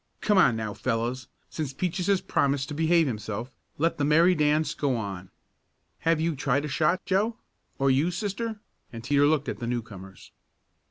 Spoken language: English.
Come on now, fellows, since Peaches has promised to behave himself, let the merry dance go on. Have you tried a shot, Joe? Or you, Sister," and Teeter looked at the newcomers.